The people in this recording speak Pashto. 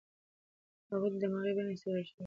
د هغوی دماغي بڼې څېړل شوې دي.